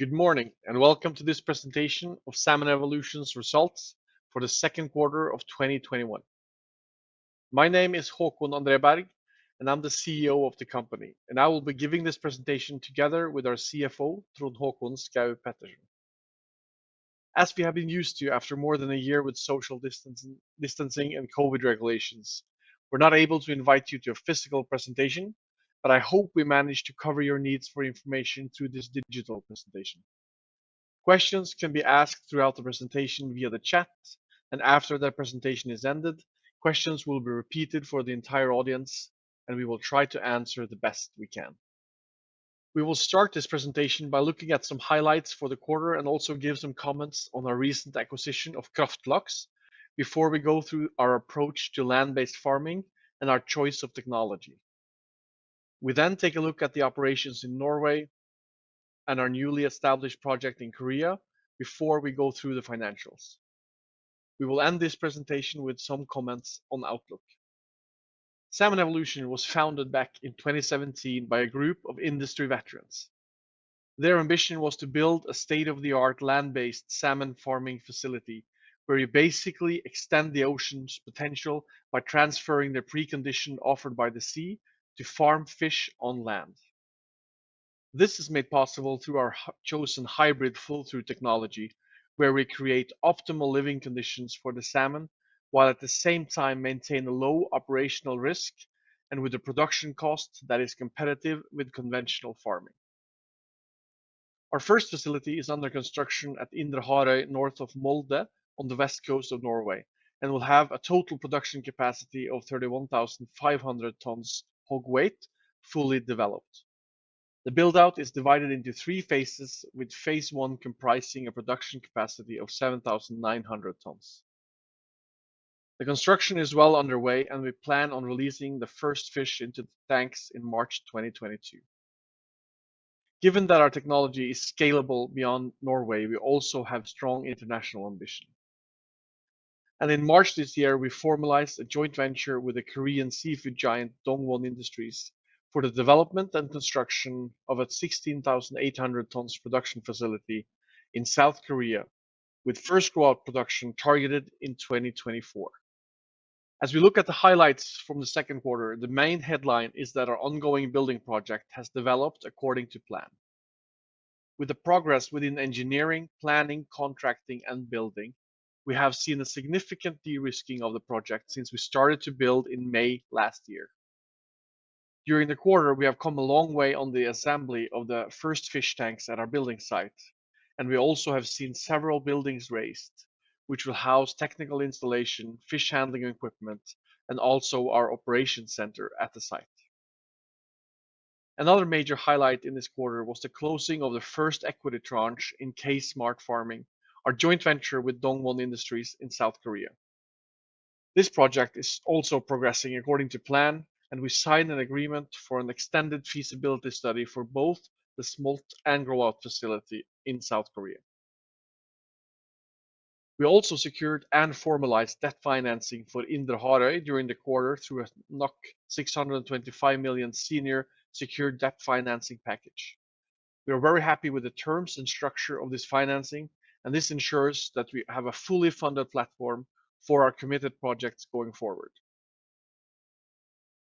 Good morning, and welcome to this presentation of Salmon Evolution's results for the second quarter of 2021. My name is Håkon André Berg, and I'm the CEO of the company. I will be giving this presentation together with our CFO, Trond Håkon Schaug-Pettersen. As we have been used to after more than a year with social distancing and COVID regulations, we're not able to invite you to a physical presentation, but I hope we manage to cover your needs for information through this digital presentation. Questions can be asked throughout the presentation via the chat, and after the presentation is ended, questions will be repeated for the entire audience, and we will try to answer the best we can. We will start this presentation by looking at some highlights for the quarter and also give some comments on our recent acquisition of Kraft Laks before we go through our approach to land-based farming and our choice of technology. We then take a look at the operations in Norway and our newly established project in Korea before we go through the financials. We will end this presentation with some comments on outlook. Salmon Evolution was founded back in 2017 by a group of industry veterans. Their ambition was to build a state-of-the-art land-based salmon farming facility where you basically extend the ocean's potential by transferring the precondition offered by the sea to farm fish on land. This is made possible through our chosen hybrid flow-through system, where we create optimal living conditions for the salmon, while at the same time maintain a low operational risk and with a production cost that is competitive with conventional farming. Our first facility is under construction at Indre Harøy, North of Molde on the west coast of Norway and will have a total production capacity of 31,500 tons HOG weight fully developed. The build-out is divided into three phases, with phase 1 comprising a production capacity of 7,900 tons. The construction is well underway, and we plan on releasing the first fish into the tanks in March 2022. Given that our technology is scalable beyond Norway, we also have strong international ambition. In March this year, we formalized a joint venture with a Korean seafood giant, Dongwon Industries, for the development and construction of a 16,800 tons production facility in South Korea with first grow-out production targeted in 2024. As we look at the highlights from the second quarter, the main headline is that our ongoing building project has developed according to plan. With the progress within engineering, planning, contracting, and building, we have seen a significant de-risking of the project since we started to build in May last year. During the quarter, we have come a long way on the assembly of the first fish tanks at our building site, and we also have seen several buildings raised, which will house technical installation, fish handling equipment, and also our operation center at the site. Another major highlight in this quarter was the closing of the first equity tranche in K Smart Farming, our joint venture with Dongwon Industries in South Korea. This project is also progressing according to plan, and we signed an agreement for an extended feasibility study for both the smolt and grow-out facility in South Korea. We also secured and formalized debt financing for Indre Harøy during the quarter through a 625 million senior secured debt financing package. We are very happy with the terms and structure of this financing, and this ensures that we have a fully funded platform for our committed projects going forward.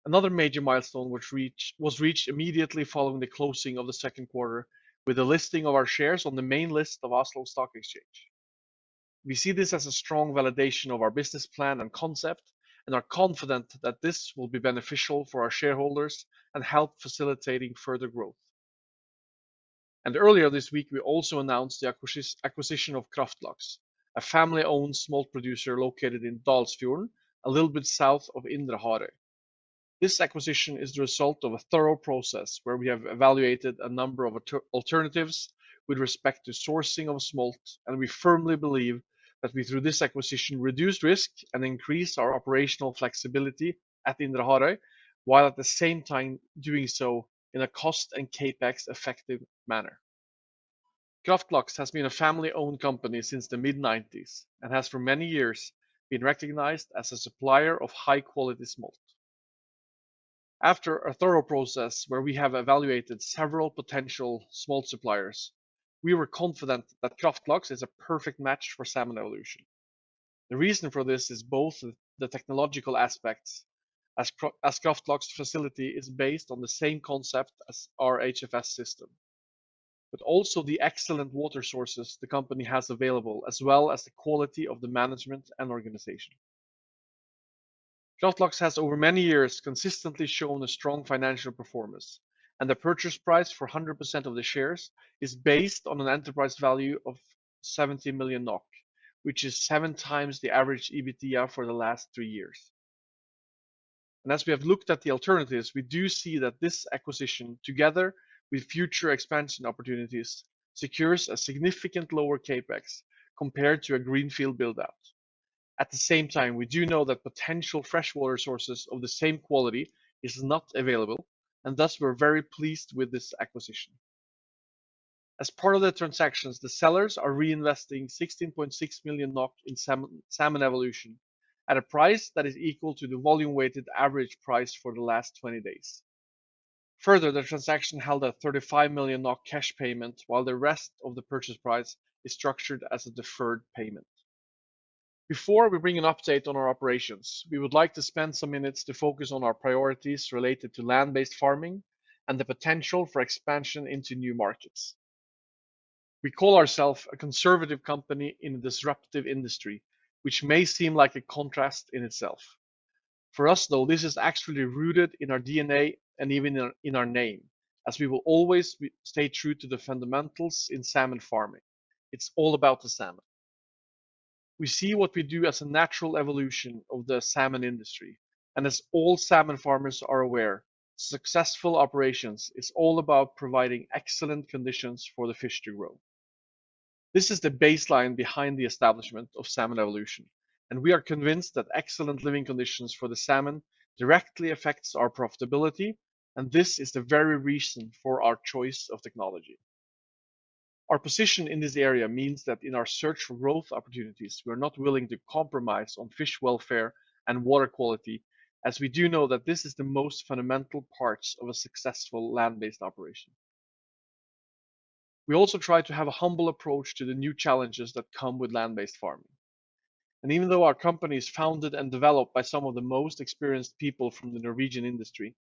Another major milestone was reached immediately following the closing of the second quarter with the listing of our shares on the main list of Oslo Stock Exchange. We see this as a strong validation of our business plan and concept and are confident that this will be beneficial for our shareholders and help facilitating further growth. Earlier this week, we also announced the acquisition of Kraft Laks, a family-owned smolt producer located in Dalsfjord, a little bit south of Indre Harøy. This acquisition is the result of a thorough process where we have evaluated a number of alternatives with respect to sourcing of smolt, and we firmly believe that we, through this acquisition, reduced risk and increased our operational flexibility at Indre Harøy, while at the same time doing so in a cost and CapEx effective manner. Kraft Laks has been a family-owned company since the mid-1990s and has for many years been recognized as a supplier of high-quality smolt. After a thorough process where we have evaluated several potential smolt suppliers, we were confident that Kraft Laks is a perfect match for Salmon Evolution. The reason for this is both the technological aspects as Kraft Laks' facility is based on the same concept as our HFS system, but also the excellent water sources the company has available, as well as the quality of the management and organization. The purchase price for 100% of the shares is based on an enterprise value of 70 million NOK, which is 7x the average EBITDA for the last three years. As we have looked at the alternatives, we do see that this acquisition, together with future expansion opportunities, secures a significant lower CapEx compared to a greenfield build-out. At the same time, we do know that potential freshwater sources of the same quality is not available, thus we're very pleased with this acquisition. As part of the transactions, the sellers are reinvesting 16.6 million NOK in Salmon Evolution at a price that is equal to the volume-weighted average price for the last 20 days. The transaction held a 35 million NOK cash payment, while the rest of the purchase price is structured as a deferred payment. Before we bring an update on our operations, we would like to spend some minutes to focus on our priorities related to land-based farming and the potential for expansion into new markets. We call ourself a conservative company in a disruptive industry, which may seem like a contrast in itself. For us, though, this is actually rooted in our DNA and even in our name, as we will always stay true to the fundamentals in salmon farming. It's all about the salmon. We see what we do as a natural evolution of the salmon industry, and as all salmon farmers are aware, successful operations is all about providing excellent conditions for the fish to grow. This is the baseline behind the establishment of Salmon Evolution, and we are convinced that excellent living conditions for the salmon directly affects our profitability, and this is the very reason for our choice of technology. Our position in this area means that in our search for growth opportunities, we are not willing to compromise on fish welfare and water quality, as we do know that this is the most fundamental parts of a successful land-based operation. We also try to have a humble approach to the new challenges that come with land-based farming. Even though our company is founded and developed by some of the most experienced people from the Norwegian industry,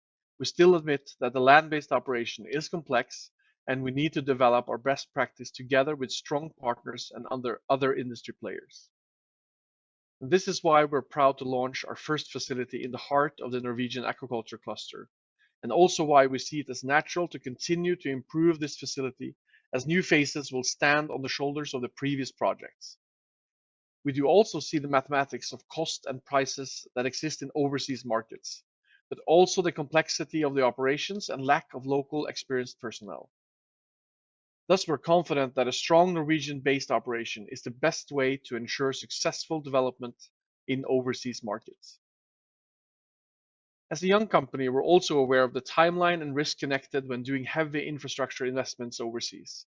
we still admit that the land-based operation is complex, and we need to develop our best practice together with strong partners and other industry players. This is why we're proud to launch our first facility in the heart of the Norwegian aquaculture cluster, and also why we see it as natural to continue to improve this facility as new phases will stand on the shoulders of the previous projects. We do also see the mathematics of cost and prices that exist in overseas markets, but also the complexity of the operations and lack of local experienced personnel. Thus, we're confident that a strong Norwegian-based operation is the best way to ensure successful development in overseas markets. As a young company, we're also aware of the timeline and risk connected when doing heavy infrastructure investments overseas.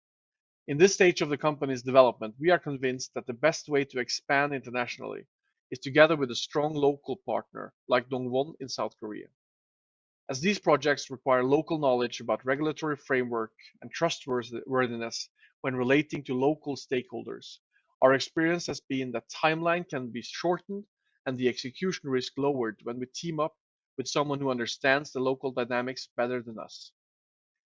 In this stage of the company's development, we are convinced that the best way to expand internationally is together with a strong local partner like Dongwon in South Korea. As these projects require local knowledge about regulatory framework and trustworthiness when relating to local stakeholders, our experience has been that timeline can be shortened and the execution risk lowered when we team up with someone who understands the local dynamics better than us.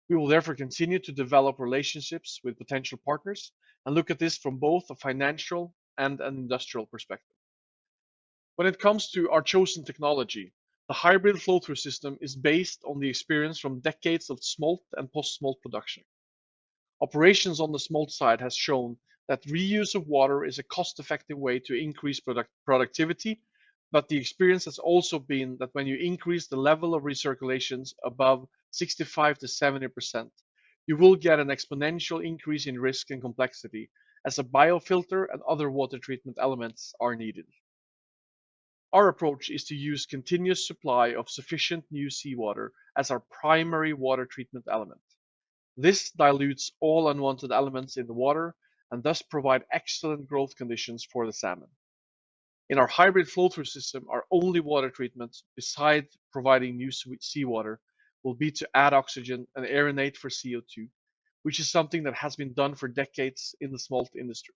We will therefore continue to develop relationships with potential partners and look at this from both a financial and an industrial perspective. When it comes to our chosen technology, the hybrid flow-through system is based on the experience from decades of smolt and post-smolt production. Operations on the smolt side has shown that reuse of water is a cost-effective way to increase productivity, but the experience has also been that when you increase the level of recirculations above 65%-70%, you will get an exponential increase in risk and complexity as a biofilter and other water treatment elements are needed. Our approach is to use continuous supply of sufficient new seawater as our primary water treatment element. This dilutes all unwanted elements in the water and thus provide excellent growth conditions for the salmon. In our hybrid flow-through system, our only water treatment, besides providing new seawater, will be to add oxygen and aerate for CO2, which is something that has been done for decades in the smolt industry.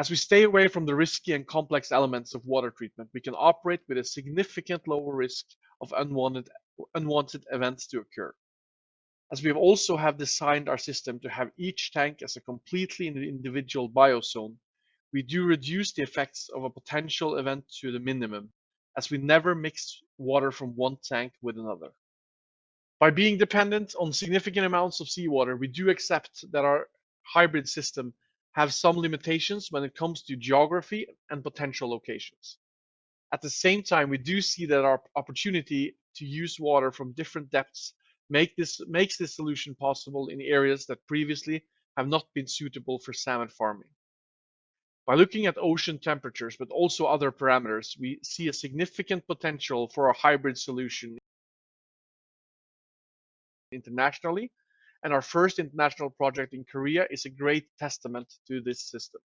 As we stay away from the risky and complex elements of water treatment, we can operate with a significant lower risk of unwanted events to occur. As we also have designed our system to have each tank as a completely individual biozone, we do reduce the effects of a potential event to the minimum, as we never mix water from one tank with another. By being dependent on significant amounts of seawater, we do accept that our hybrid system have some limitations when it comes to geography and potential locations. At the same time, we do see that our opportunity to use water from different depths makes this solution possible in areas that previously have not been suitable for salmon farming. By looking at ocean temperatures, but also other parameters, we see a significant potential for our hybrid solution internationally, and our first international project in Korea is a great testament to this system.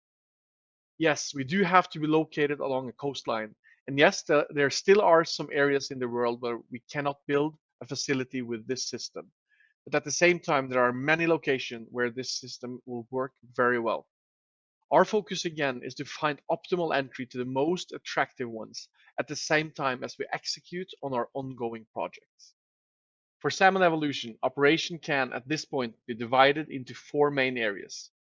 Yes, we do have to be located along a coastline, and yes, there still are some areas in the world where we cannot build a facility with this system. At the same time, there are many locations where this system will work very well. Our focus, again, is to find optimal entry to the most attractive ones, at the same time as we execute on our ongoing projects. For Salmon Evolution, operation can, at this point, be divided into four main areas.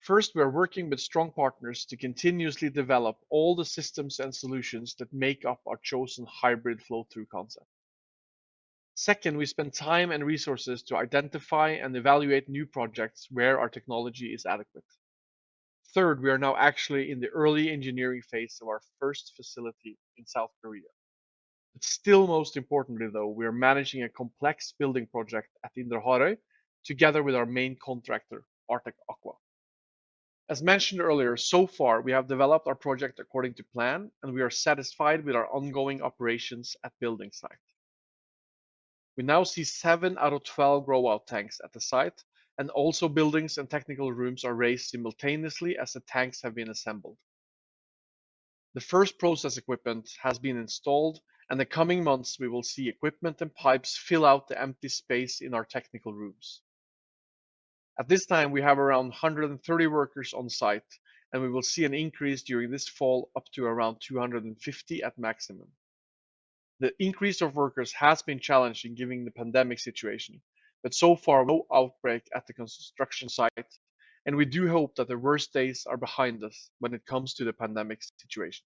First, we are working with strong partners to continuously develop all the systems and solutions that make up our chosen hybrid flow-through concept. Second, we spend time and resources to identify and evaluate new projects where our technology is adequate. Third, we are now actually in the early engineering phase of our first facility in South Korea. Still, most importantly, though, we are managing a complex building project at Indre Harøy together with our main contractor, Artec Aqua. As mentioned earlier, so far we have developed our project according to plan, and we are satisfied with our ongoing operations at building site. We now see seven out of 12 grow-out tanks at the site, and also buildings and technical rooms are raised simultaneously as the tanks have been assembled. The first process equipment has been installed, and the coming months we will see equipment and pipes fill out the empty space in our technical rooms. At this time, we have around 130 workers on site, and we will see an increase during this fall up to around 250 at maximum. The increase of workers has been challenged given the pandemic situation, but so far no outbreak at the construction site. We do hope that the worst days are behind us when it comes to the pandemic situation.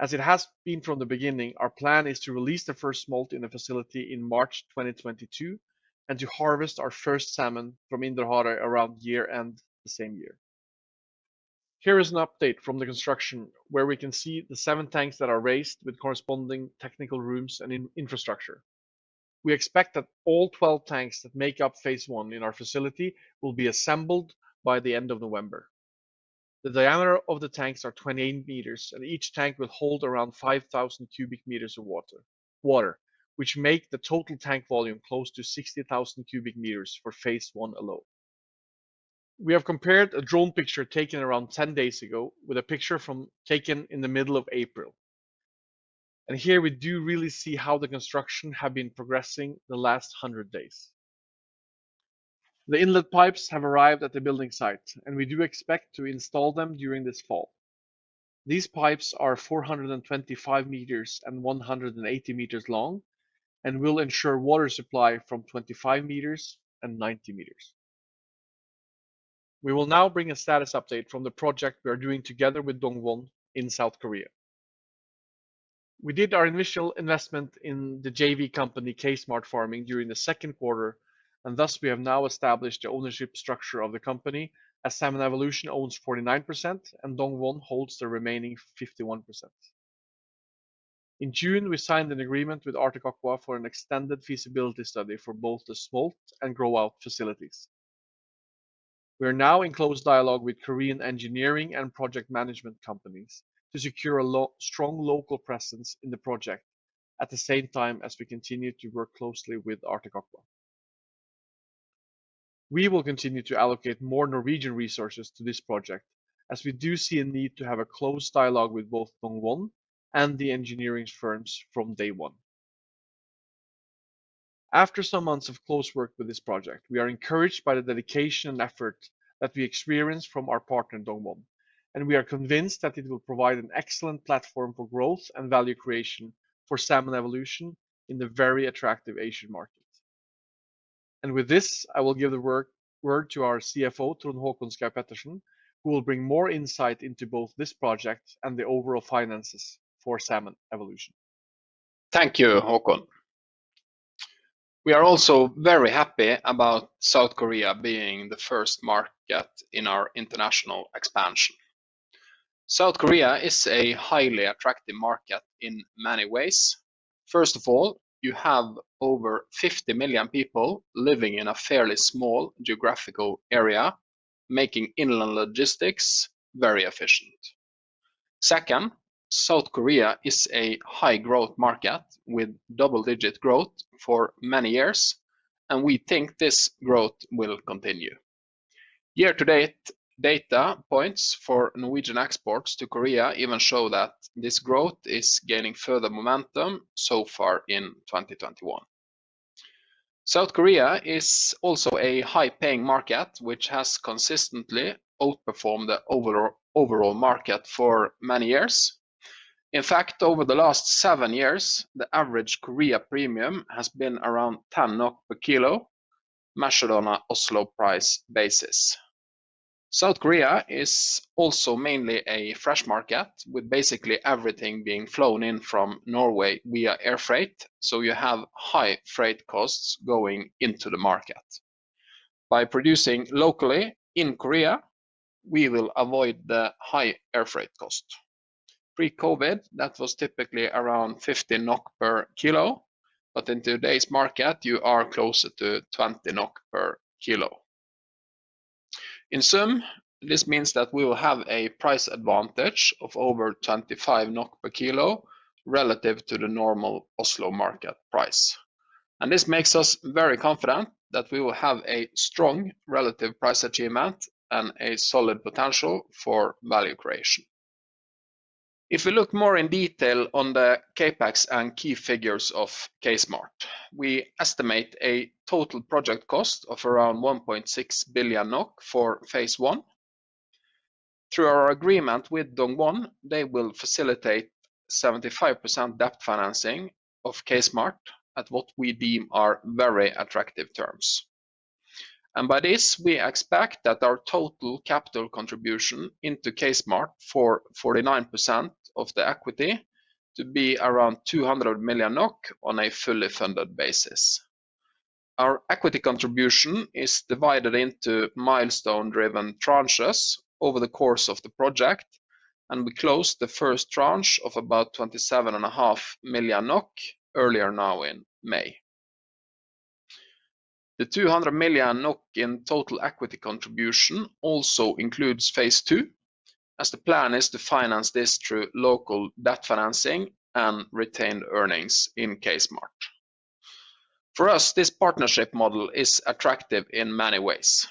As it has been from the beginning, our plan is to release the first smolt in the facility in March 2022, and to harvest our first salmon from Indre Harøy around year end the same year. Here is an update from the construction where we can see the seven tanks that are raised with corresponding technical rooms and infrastructure. We expect that all 12 tanks that make up phase 1 in our facility will be assembled by the end of November. The diameter of the tanks are 28 m, and each tank will hold around 5,000 cu m of water, which make the total tank volume close to 60,000 cu m for phase 1 alone. We have compared a drone picture taken around 10 days ago with a picture taken in the middle of April. Here we do really see how the construction have been progressing the last 100 days. The inlet pipes have arrived at the building site, and we do expect to install them during this fall. These pipes are 425 m and 180 m long and will ensure water supply from 25 m and 90 m. We will now bring a status update from the project we are doing together with Dongwon in South Korea. We did our initial investment in the JV company, K Smart Farming, during the second quarter, and thus we have now established the ownership structure of the company as Salmon Evolution owns 49% and Dongwon holds the remaining 51%. In June, we signed an agreement with Artec Aqua for an extended feasibility study for both the smolt and grow-out facilities. We are now in close dialogue with Korean engineering and project management companies to secure a strong local presence in the project, at the same time as we continue to work closely with Artec Aqua. We will continue to allocate more Norwegian resources to this project, as we do see a need to have a close dialogue with both Dongwon and the engineering firms from day one. After some months of close work with this project, we are encouraged by the dedication and effort that we experience from our partner, Dongwon, and we are convinced that it will provide an excellent platform for growth and value creation for Salmon Evolution in the very attractive Asian market. With this, I will give the word to our CFO, Trond Håkon Schaug-Pettersen, who will bring more insight into both this project and the overall finances for Salmon Evolution. Thank you, Håkon. We are also very happy about South Korea being the first market in our international expansion. South Korea is a highly attractive market in many ways. First of all, you have over 50 million people living in a fairly small geographical area, making inland logistics very efficient. Second, South Korea is a high-growth market with double-digit growth for many years, and we think this growth will continue. Year-to-date data points for Norwegian exports to Korea even show that this growth is gaining further momentum so far in 2021. South Korea is also a high-paying market which has consistently outperformed the overall market for many years. In fact, over the last seven years, the average Korea premium has been around 10/kg, Nasdaq Oslo price basis. South Korea is also mainly a fresh market, with basically everything being flown in from Norway via air freight, so you have high freight costs going into the market. By producing locally in Korea, we will avoid the high air freight cost. Pre-COVID, that was typically around 15 NOK/kg, but in today's market, you are closer to 20 NOK/kg. In sum, this means that we will have a price advantage of over 25 NOK/kg relative to the normal Oslo market price. This makes us very confident that we will have a strong relative price achievement and a solid potential for value creation. If we look more in detail on the CapEx and key figures of K Smart, we estimate a total project cost of around 1.6 billion NOK for phase 1. Through our agreement with Dongwon, they will facilitate 75% debt financing of K Smart at what we deem are very attractive terms. By this, we expect that our total capital contribution into K Smart for 49% of the equity to be around 200 million NOK on a fully funded basis. Our equity contribution is divided into milestone-driven tranches over the course of the project, and we closed the first tranche of about 27.5 million NOK earlier now in May. The 200 million NOK in total equity contribution also includes phase 2, as the plan is to finance this through local debt financing and retain earnings in K Smart. For us, this partnership model is attractive in many ways.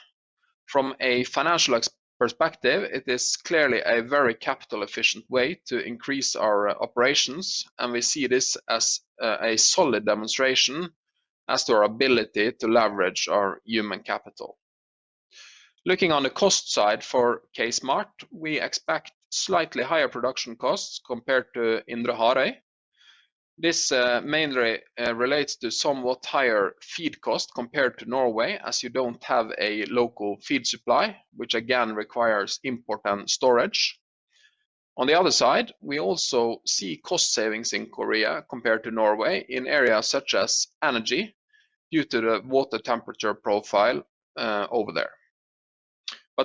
From a financial perspective, it is clearly a very capital-efficient way to increase our operations, and we see this as a solid demonstration as to our ability to leverage our human capital. Looking on the cost side for K Smart, we expect slightly higher production costs compared to Indre Harøy. This mainly relates to somewhat higher feed cost compared to Norway, as you don't have a local feed supply, which again requires import and storage. On the other side, we also see cost savings in Korea compared to Norway in areas such as energy due to the water temperature profile over there.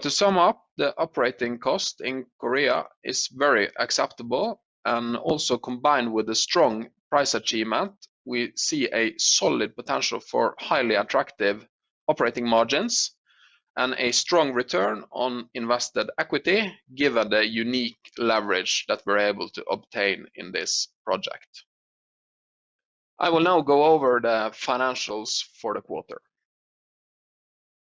To sum up, the operating cost in Korea is very acceptable and also combined with a strong price achievement, we see a solid potential for highly attractive operating margins and a strong return on invested equity, given the unique leverage that we're able to obtain in this project. I will now go over the financials for the quarter.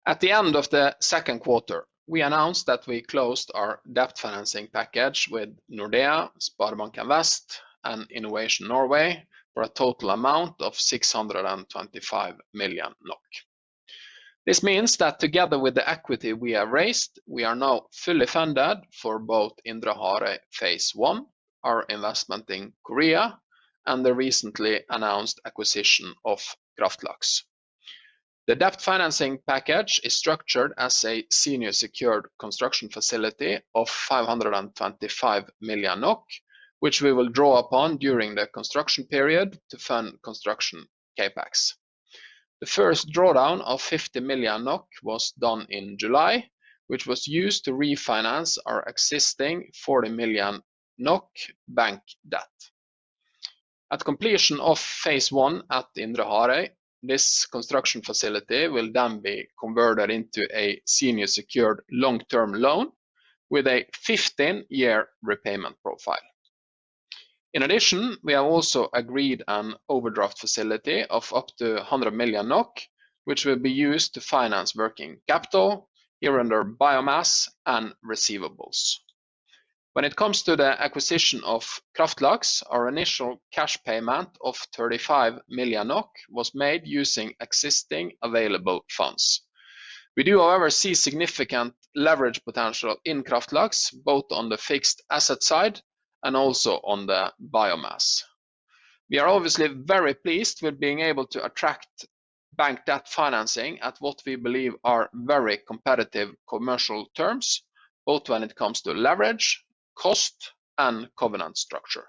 At the end of the second quarter, we announced that we closed our debt financing package with Nordea, SpareBank 1 SMN, and Innovation Norway for a total amount of 625 million NOK. This means that together with the equity we have raised, we are now fully funded for both Indre Harøy phase 1, our investment in Korea, and the recently announced acquisition of Kraft Laks. The debt financing package is structured as a senior secured construction facility of 525 million NOK, which we will draw upon during the construction period to fund construction CapEx. The first drawdown of 50 million NOK was done in July, which was used to refinance our existing 40 million NOK bank debt. At completion of phase 1 at Indre Harøy, this construction facility will then be converted into a senior secured long-term loan with a 15-year repayment profile. In addition, we have also agreed an overdraft facility of up to 100 million NOK, which will be used to finance working capital, here under biomass and receivables. When it comes to the acquisition of Kraft Laks, our initial cash payment of 35 million NOK was made using existing available funds. We do, however, see significant leverage potential in Kraft Laks, both on the fixed asset side and also on the biomass. We are obviously very pleased with being able to attract bank debt financing at what we believe are very competitive commercial terms, both when it comes to leverage, cost, and covenant structure.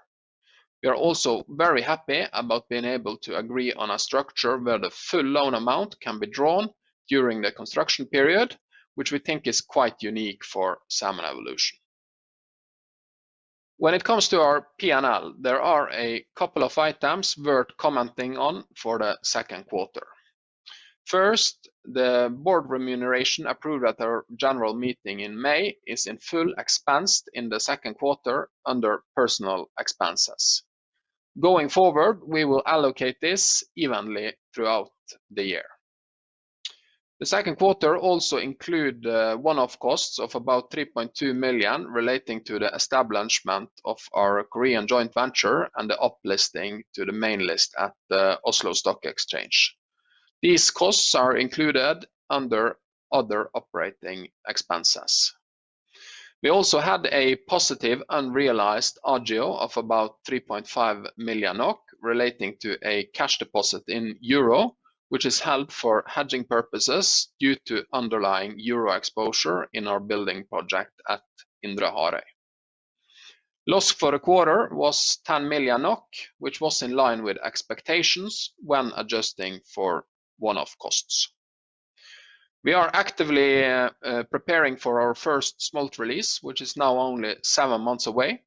We are also very happy about being able to agree on a structure where the full loan amount can be drawn during the construction period, which we think is quite unique for Salmon Evolution. When it comes to our P&L, there are a couple of items worth commenting on for the second quarter. First, the board remuneration approved at our general meeting in May is in full expensed in the second quarter under personal expenses. Going forward, we will allocate this evenly throughout the year. The second quarter also include one-off costs of about 3.2 million relating to the establishment of our Korean joint venture and the up-listing to the main list at the Oslo Stock Exchange. These costs are included under other operating expenses. We also had a positive unrealized agio of about 3.5 million relating to a cash deposit in euro, which is held for hedging purposes due to underlying euro exposure in our building project at Indre Harøy. Loss for the quarter was 10 million NOK, which was in line with expectations when adjusting for one-off costs. We are actively preparing for our first smolt release, which is now only seven months away.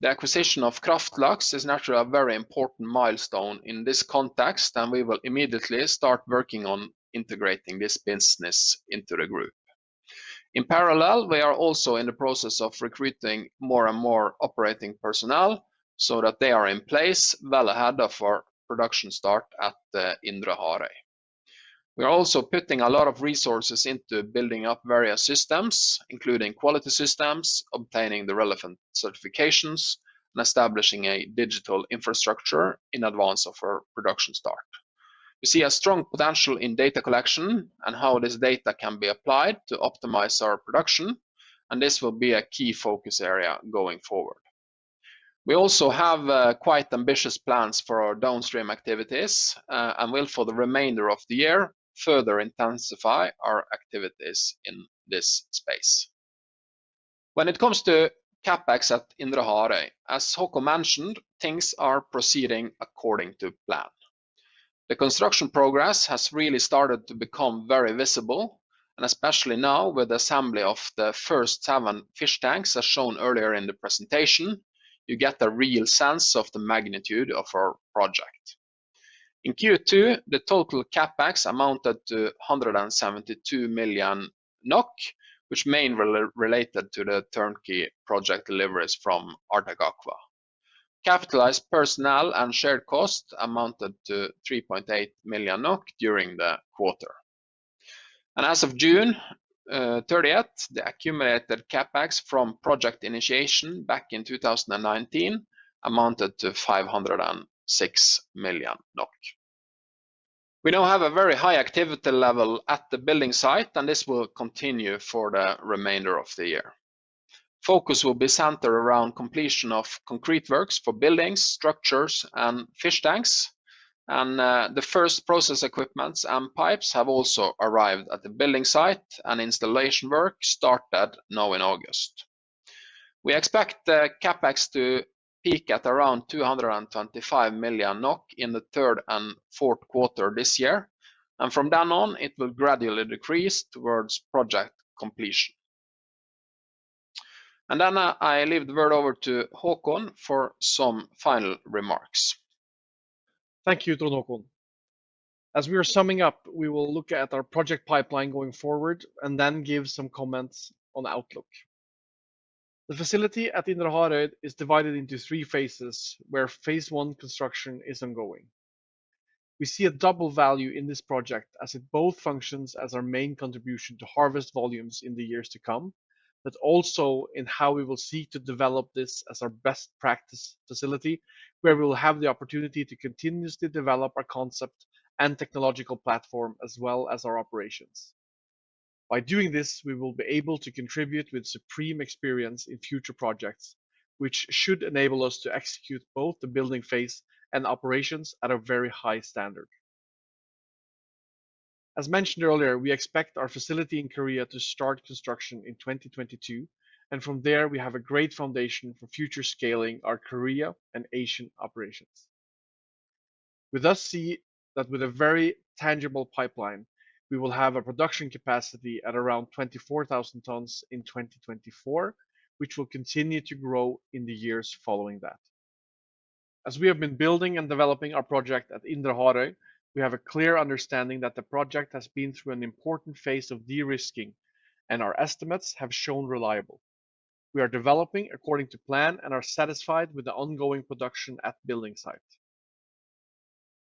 The acquisition of Kraft Laks is naturally a very important milestone in this context. We will immediately start working on integrating this business into the group. In parallel, we are also in the process of recruiting more and more operating personnel so that they are in place well ahead of our production start at Indre Harøy. We are also putting a lot of resources into building up various systems, including quality systems, obtaining the relevant certifications, and establishing a digital infrastructure in advance of our production start. We see a strong potential in data collection and how this data can be applied to optimize our production. This will be a key focus area going forward. We also have quite ambitious plans for our downstream activities, and will for the remainder of the year, further intensify our activities in this space. When it comes to CapEx at Indre Harøy, as Håkon mentioned, things are proceeding according to plan. The construction progress has really started to become very visible. Especially now with the assembly of the first salmon fish tanks, as shown earlier in the presentation, you get a real sense of the magnitude of our project. In Q2, the total CapEx amounted to 172 million NOK, which mainly related to the turnkey project deliveries from Artec Aqua. Capitalized personnel and shared cost amounted to 3.8 million NOK during the quarter. As of June 30th, the accumulated CapEx from project initiation back in 2019 amounted to NOK 506 million. We now have a very high activity level at the building site, and this will continue for the remainder of the year. Focus will be centered around completion of concrete works for buildings, structures and fish tanks. The first process equipment and pipes have also arrived at the building site and installation work started now in August. We expect the CapEx to peak at around 225 million NOK in the third and fourth quarter this year. From then on, it will gradually decrease towards project completion. Then I leave the word over to Håkon for some final remarks. Thank you, Trond Håkon. As we are summing up, we will look at our project pipeline going forward and then give some comments on outlook. The facility at Indre Harøy is divided into three phases, where phase 1 construction is ongoing. We see a double value in this project as it both functions as our main contribution to harvest volumes in the years to come, but also in how we will seek to develop this as our best practice facility, where we will have the opportunity to continuously develop our concept and technological platform, as well as our operations. By doing this, we will be able to contribute with supreme experience in future projects, which should enable us to execute both the building phase and operations at a very high standard. As mentioned earlier, we expect our facility in Korea to start construction in 2022, and from there, we have a great foundation for future scaling our Korea and Asian operations. We thus see that with a very tangible pipeline, we will have a production capacity at around 24,000 tons in 2024, which will continue to grow in the years following that. As we have been building and developing our project at Indre Harøy, we have a clear understanding that the project has been through an important phase of de-risking, and our estimates have shown reliable. We are developing according to plan and are satisfied with the ongoing production at building site.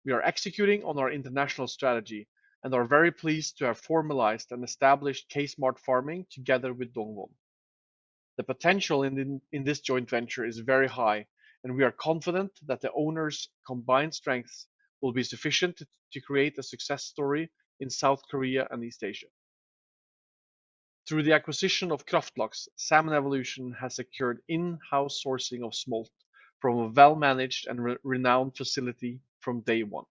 We are executing on our international strategy and are very pleased to have formalized and established K Smart Farming together with Dongwon. The potential in this joint venture is very high, and we are confident that the owners' combined strengths will be sufficient to create a success story in South Korea and East Asia. Through the acquisition of Kraft Laks, Salmon Evolution has secured in-house sourcing of smolt from a well-managed and renowned facility from day one.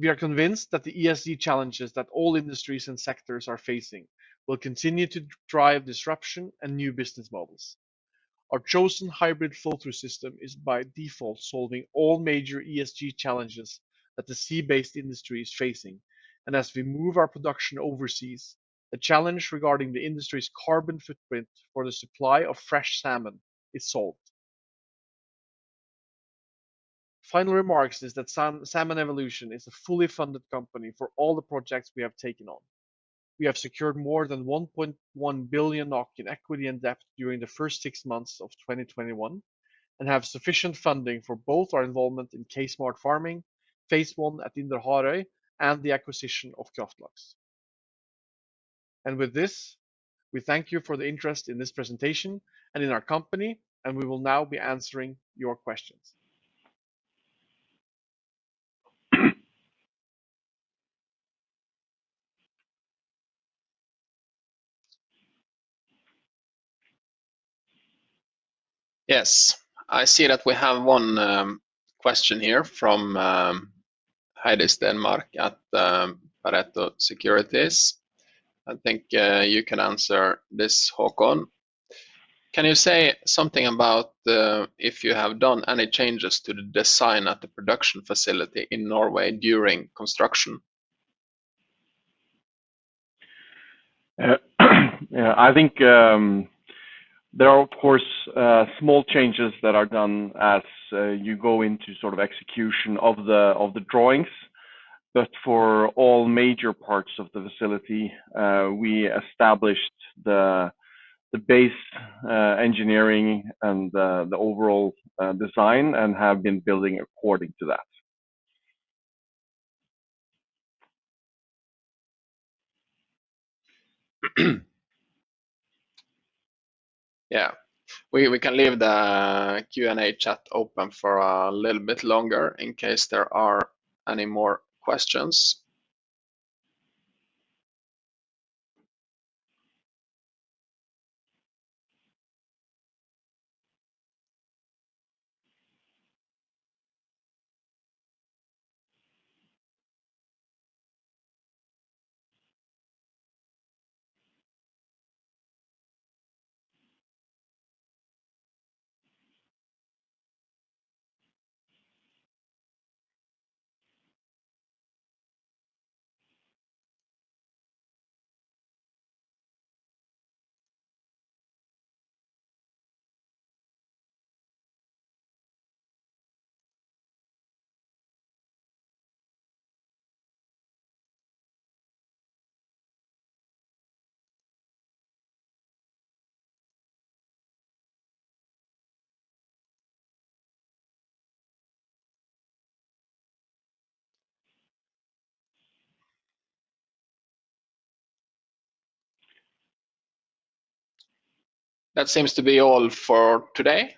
We are convinced that the ESG challenges that all industries and sectors are facing will continue to drive disruption and new business models. Our chosen hybrid flow-through system is by default solving all major ESG challenges that the sea-based industry is facing. As we move our production overseas, the challenge regarding the industry's carbon footprint for the supply of fresh salmon is solved. Final remarks is that Salmon Evolution is a fully funded company for all the projects we have taken on. We have secured more than 1.1 billion in equity and debt during the first six months of 2021 and have sufficient funding for both our involvement in K Smart Farming, phase 1 at Indre Harøy, and the acquisition of Kraft Laks. With this, we thank you for the interest in this presentation and in our company, and we will now be answering your questions. Yes. I see that we have one question here from Heidi Stenmark at Pareto Securities. I think you can answer this, Håkon. Can you say something about if you have done any changes to the design at the production facility in Norway during construction? I think there are, of course, small changes that are done as you go into sort of execution of the drawings. For all major parts of the facility, we established the base engineering and the overall design and have been building according to that. Yeah. We can leave the Q&A chat open for a little bit longer in case there are any more questions. That seems to be all for today.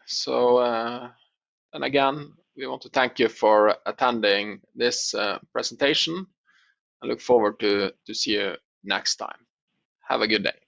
Again, we want to thank you for attending this presentation and look forward to see you next time. Have a good day.